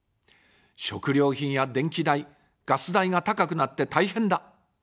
食料品や電気代、ガス代が高くなって大変だ。